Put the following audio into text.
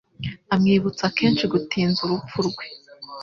amwibutsa kenshi gutinza urupfu rwe